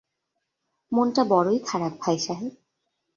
মনটা বড়ই খারাপ ভাই সাহেব।